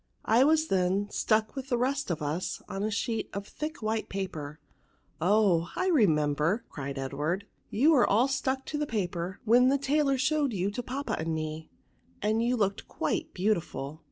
I was then stuck with the rest of us on a sheet of thick white paper." '* Oh ! I remember," cried Edward ;" you were aU stuck on the paper, when the tailor showed you to papa and me, and you looked quite beautiful."